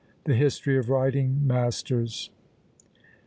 THE HISTORY OF WRITING MASTERS.